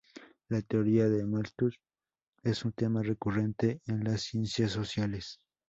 La teoría de Malthus es un tema recurrente en las ciencias sociales.